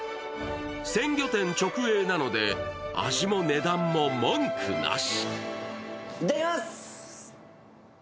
鮮魚店直営なので味も値段も文句なし。